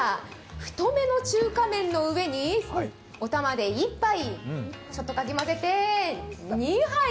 太めの中華麺の上におたまで１杯、ちょっとかき混ぜて２杯。